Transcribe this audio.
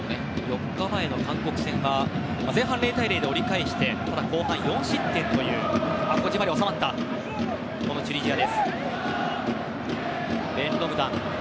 ４日前の韓国戦は前半、０対０で折り返してただ後半、４失点というチュニジア。